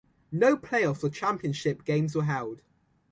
No playoffs or championship games were held.